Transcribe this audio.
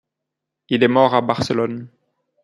Il est mort à Barcelone.